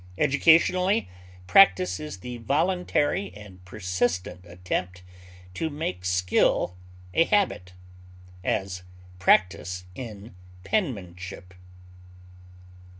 Educationally, practise is the voluntary and persistent attempt to make skill a habit; as, practise in penmanship.